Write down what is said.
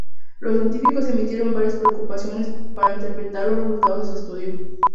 Los científicos emitieron varias precauciones para interpretar los resultados de su estudio.